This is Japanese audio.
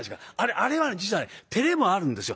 あれはね実はね照れもあるんですよ。